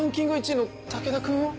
１位の武田君を？